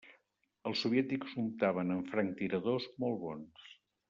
Els soviètics comptaven amb franctiradors molt bons.